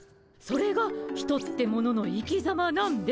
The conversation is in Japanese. それがヒトってものの生きざまなんですっ！